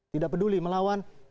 tidak peduli melawan